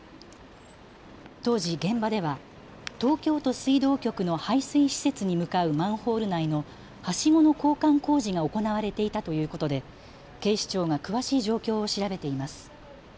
当時、現場では東京都水道局の配水施設に向かうマンホール内のはしごの交換工事が行われていたということで警視庁が詳しい状況を調べています。